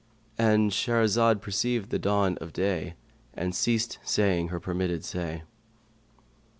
"—And Shahrazad perceived the dawn of day and ceased saying her permitted say.